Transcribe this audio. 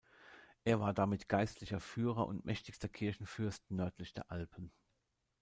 Er war damit geistlicher Führer und mächtigster Kirchenfürst nördlich der Alpen.